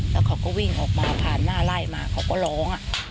แล้วเขาก็วิ่งออกมาผ่านหน้าไล่มาเขาก็ร้อง